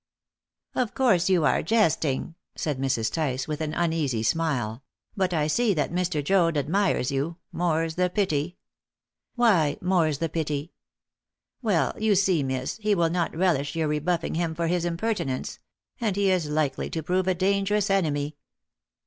"Of course you are jesting?" said Mrs. Tice, with an uneasy smile; "but I see that Mr. Joad admires you. More's the pity." "Why 'more's the pity'?" "Well, you see, miss, he will not relish your rebuffing him for his impertinence; and he is likely to prove a dangerous enemy."